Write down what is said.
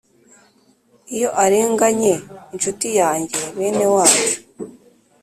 iyo arenganye inshuti yanjye, bene wacu,